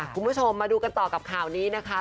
คุณผู้ชมมาดูกันต่อกับข่าวนี้นะคะ